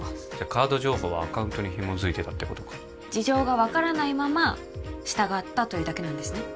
カード情報はアカウントにひも付いてたってことか事情が分からないまま従ったというだけなんですね